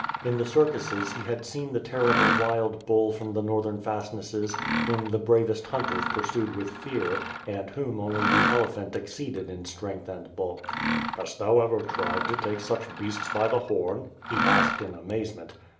In the circuses he had seen the terrible wild bull from the northern fast nesses, whom the l)ravest hunters piir.sued with fear, and whom only the elephant exceeded in strength and bulk. "Hast thou ever triwl to take such beasts by the horn?" he asked in amazement.